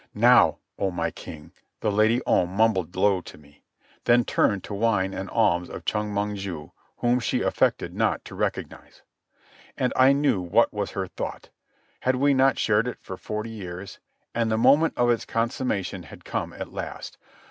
"Now, O my king," the Lady Om mumbled low to me, then turned to whine an alms of Chong Mong ju, whom she affected not to recognize. And I knew what was her thought. Had we not shared it for forty years? And the moment of its consummation had come at last.